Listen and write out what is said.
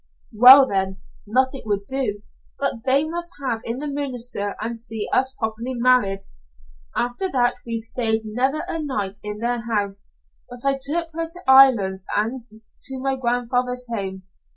"Well, then, nothing would do, but they must have in the minister and see us properly married. After that we stayed never a night in their house, but I took her to Ireland to my grandfather's home.